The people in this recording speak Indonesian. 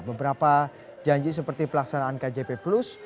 beberapa janji seperti pelaksanaan kjp plus